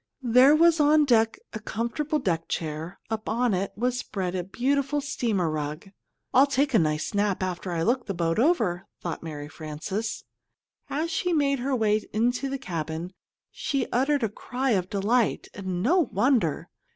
There was on deck a comfortable deck chair; upon it was spread a beautiful steamer rug. "I'll take a nice nap, after I look the boat over," thought Mary Frances. As she made her way into the cabin, she uttered a cry of delight and no wonder.